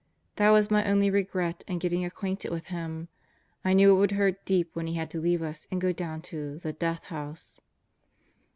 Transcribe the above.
That was my only regret in getting acquainted with him. I knew it would hurt deep when he had to leave us and go down to the "Death House."